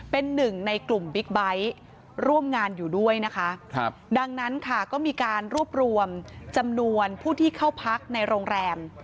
เป็นหนึ่งในกลุ่มบิ๊กไบท์ร่วมงานอยู่ด้วยนะคะครับดังนั้นค่ะก็มีการรวบรวมจำนวนผู้ที่เข้าพักในโรงแรม